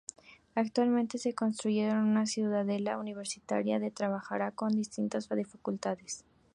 Actualmente se está construyendo una ciudadela Universitaria que trabajará con distintas facultades.